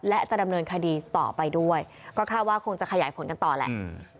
และจะดำเนินคดีต่อไปด้วยก็คาดว่าคงจะขยายผลกันต่อแหละ